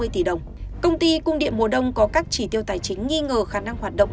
bốn bốn trăm năm mươi tỷ đồng công ty cung điện mùa đông có các chỉ tiêu tài chính nghi ngờ khả năng hoạt động